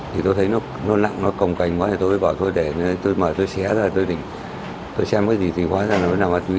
thì tôi thấy nó lặng nó cồng cành quá thì tôi bảo tôi để tôi mở tôi xé ra tôi định tôi xem cái gì thì hóa ra là nó nằm ở tùy